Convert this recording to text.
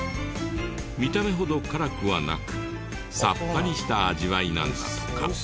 見た目ほど辛くはなくさっぱりした味わいなんだとか。